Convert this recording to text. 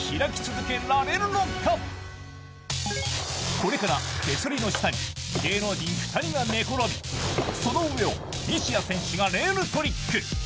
これから手すりの下に芸能人２人が寝転び、その上を西矢選手がレールトリック。